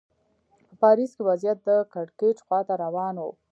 په پاریس کې وضعیت د کړکېچ خوا ته روان و.